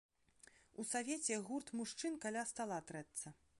У савеце гурт мужчын каля стала трэцца.